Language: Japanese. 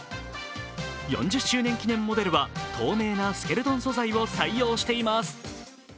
４０周年記念モデルは透明なスケルトン素材を採用しています。